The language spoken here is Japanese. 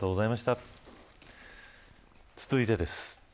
続いてです。